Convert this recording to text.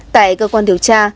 tại cơ quan điều tra